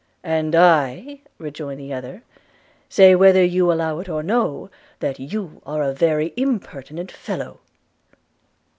'And I,' rejoined the other, 'say, whether you allow it or no, that you are a very impertinent fellow.'